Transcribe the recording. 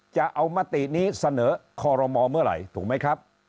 จะเอามตินี้เสนอคอรมอเมื่อไหร่ถูกไหมครับ